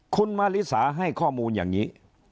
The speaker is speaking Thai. คุณมาริสาให้ข้อมูลอย่างนี้